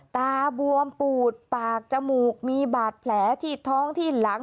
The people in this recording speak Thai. ตาบวมปูดปากจมูกมีบาดแผลที่ท้องที่หลัง